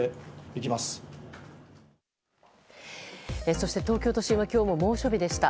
そして東京都心は今日も猛暑日でした。